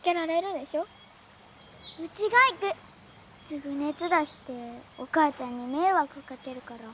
すぐ熱出してお母ちゃんに迷惑かけるから。